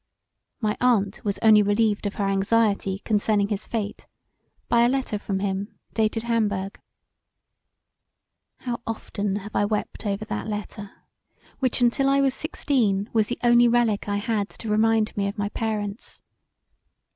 My aunt was only relieved of her anxiety concerning his fate by a letter from him dated Hamburgh. How often have I wept over that letter which untill I was sixteen was the only relick I had to remind me of my parents.